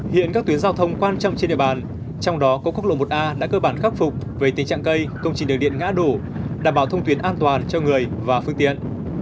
hiện các tuyến giao thông quan trọng trên địa bàn trong đó có quốc lộ một a đã cơ bản khắc phục về tình trạng cây công trình đường điện ngã đổ đảm bảo thông tuyến an toàn cho người và phương tiện